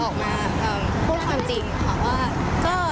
ก็วันนี้จะออกมาพูดความจริงค่ะว่า